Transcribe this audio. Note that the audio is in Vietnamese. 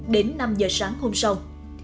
đến năm giờ sáng hôm sau